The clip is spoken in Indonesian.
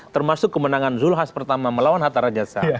termasuk kemenangan zulhas pertama melawan hatta rajasa